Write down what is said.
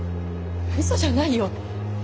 嘘じゃないよ